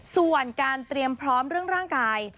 ส่วนการเตรียมพร้อมเรื่องร่างกาย